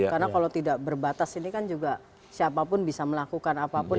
karena kalau tidak berbatas ini kan juga siapapun bisa melakukan apapun